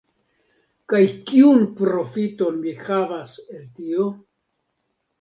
Kaj kiun profiton mi havas el tio?